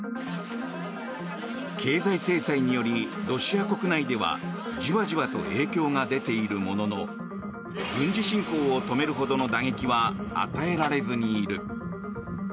経済制裁により、ロシア国内ではじわじわと影響が出ているものの軍事侵攻を止めるほどの打撃は与えられずにいる。